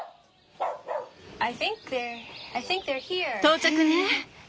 到着ね。